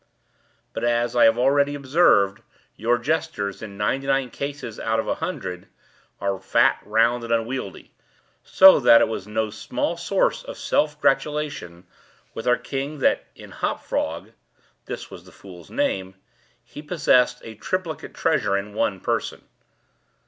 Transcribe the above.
But, as I have already observed, your jesters, in ninety nine cases out of a hundred, are fat, round, and unwieldy—so that it was no small source of self gratulation with our king that, in Hop Frog (this was the fool's name), he possessed a triplicate treasure in one person.